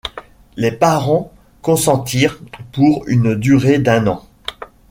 Les parents consentirent pour une durée d’un an.